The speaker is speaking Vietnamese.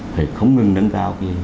phải không ngừng nâng cao